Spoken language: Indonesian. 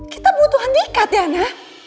kita butuh andika tiana